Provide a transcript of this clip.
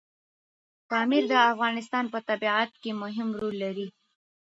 پامیر د افغانستان په طبیعت کې مهم رول لري.